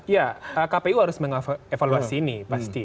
ya kpu harus mengevaluasi ini pasti